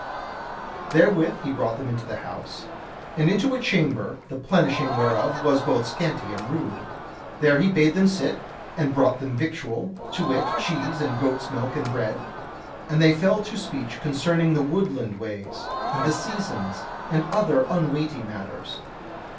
Therewith he brought them into the house, and into a chamber, the plenishing whereof was both scanty and rude. There he bade them sit, and brought them victual, to wit, cheese and goats' milk and bread, and they fell to speech concerning the woodland ways, and the seasons, and other unweighty matters.